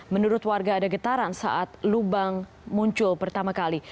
menurut warga ada getaran saat lubang muncul pertama kali